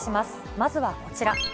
まずはこちら。